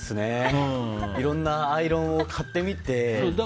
いろんなアイロンを買ってみて。